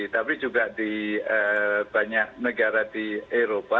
tapi juga di banyak negara di eropa